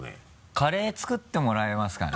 カレー作ってもらえますかね。